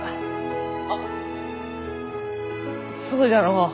あそうじゃのう。